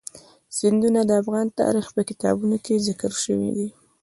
سیندونه د افغان تاریخ په کتابونو کې ذکر شوی دي.